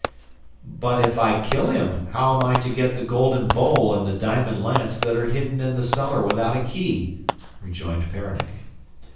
'But if I kill him, how am I to get the golden bowl and the diamond lance that are hidden in the cellar without a key?' rejoined Peronnik.